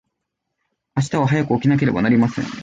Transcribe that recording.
明日は早く起きなければなりません。